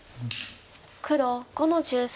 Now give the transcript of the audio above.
黒５の十三。